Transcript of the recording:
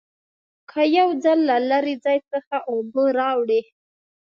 که یو ځل له لرې ځای څخه اوبه راوړې.